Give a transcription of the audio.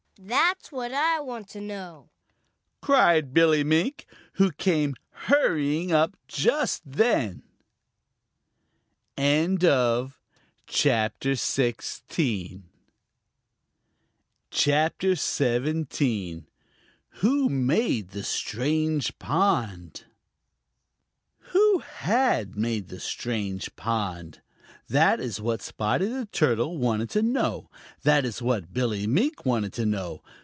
"That's what I want to know!" cried Billy Mink, who came hurrying up just then. CHAPTER XVII: Who Had Made The Strange Pond? Who had made the strange pond? That is what Spotty the Turtle wanted to know. That is what Billy Mink wanted to know.